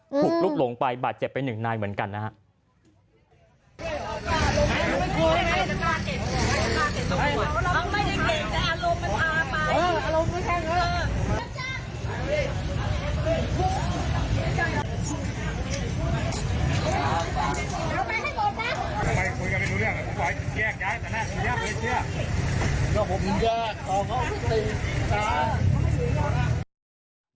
หุบลุกลงไปบาดเจ็บไป๑นายเหมือนกันนะฮะ